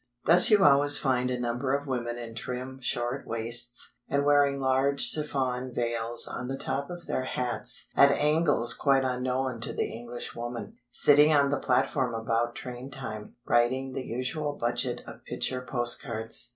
Thus you always find a number of women in trim "shirt waists," and wearing large chiffon veils on the top of their hats at angles quite unknown to the English woman, sitting on the platform about train time, writing the usual budget of picture postcards.